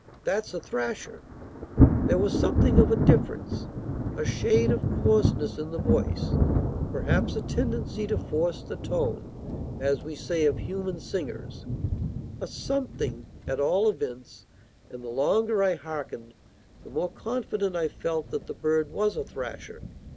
that's a thrasher!" There was a something of difference: a shade of coarseness in the voice, perhaps; a tendency to force the tone, as we say of human singers, a something, at all events, and the longer I hearkened, the more confident I felt that the bird was a thrasher.